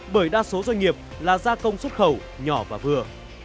bởi đa số doanh nghiệp là gia công xuất khẩu nhỏ và vừa